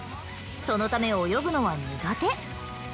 そのため泳ぐのは苦手。